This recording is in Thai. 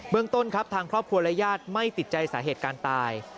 เมืองต้นครับทางครอบครัวและญาติไม่ติดใจสาเหตุการตาย